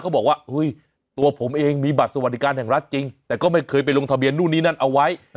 บอกว่าตัวผมเองมีบัตรสวัสดิการแห่งรัฐจริงแต่ก็ไม่เคยไปลงทะเบียนนู่นนี่นั่นเอาไว้